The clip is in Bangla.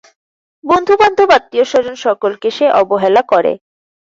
বন্ধুবান্ধব আত্মীয়স্বজন সকলকে সে অবহেলা করে।